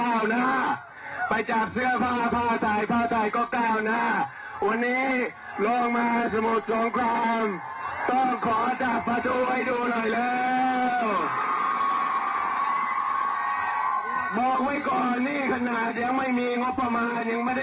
นี่ขนาดยังไม่มีงบประมาณยังไม่ได้เข้าธรรมญาติบรัฐบาล